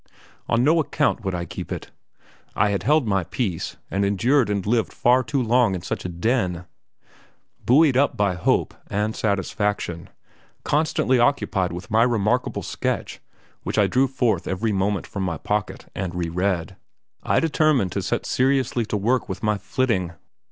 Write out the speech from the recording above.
On no account would I keep it. I had held my peace, and endured and lived far too long in such a den. Buoyed up by hope and satisfaction, constantly occupied with my remarkable sketch, which I drew forth every moment from my pocket and re read, I determined to set seriously to work with my flitting.